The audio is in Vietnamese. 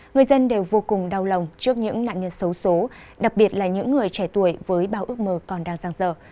người dân đều vô cùng đau lòng trước những nạn nhân xấu xố đặc biệt là những người trẻ tuổi với bao ước mơ còn đang giang dở